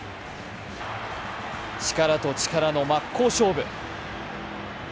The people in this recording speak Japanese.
力と力の真っ向勝負。